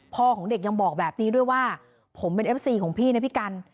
ของเด็กยังบอกแบบนี้ด้วยว่าผมเป็นเอฟซีของพี่นะพี่กัน